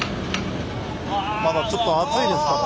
まだちょっと熱いですけどね。